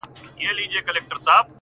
و تاته د جنت حوري غلمان مبارک.